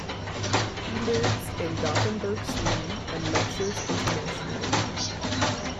He lives in Gothenburg, Sweden, and lectures internationally.